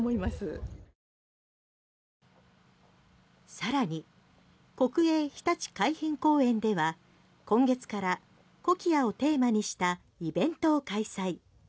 さらに国営ひたち海浜公園では今月からコキアをテーマにしたイベントを開催。